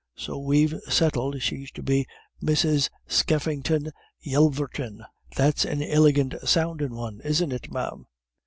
So we've settled she's to be Mrs. Skeffington Yelverton. That's an iligant soundin' one, isn't it, ma'am?"